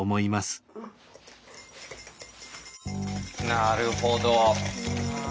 なるほど。